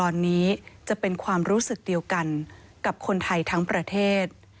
ตอนนี้จะเป็นความรู้สึกเดียวกันกับคนไทยทั้งประเทศ